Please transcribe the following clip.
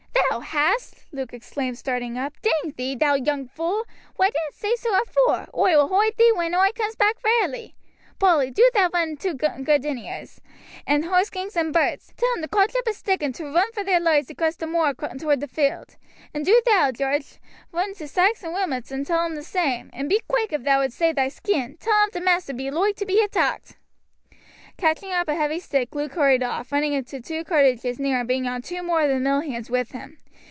"Thou hast!" Luke exclaimed, starting up. "Dang thee, thou young fool! Why didn't say so afore? Oi will hoide thee when oi comes back rarely! Polly, do thou run into Gardiner's, and Hoskings', and Burt's; tell 'em to cotch up a stick and to roon for their loives across t' moor toward t' mill. And do thou, Jarge, roon into Sykes' and Wilmot's and tell 'em the same; and be quick if thou would save thy skin. Tell 'em t' maister be loike to be attacked." Catching up a heavy stick Luke hurried off, running into two cottages near and bringing on two more of the mill hands with him.